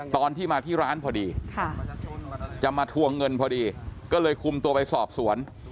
ตอนที่มาที่ร้านพอดีจะมาทวงเงินพอดีก็เลยคุมตัวไปสอบสวน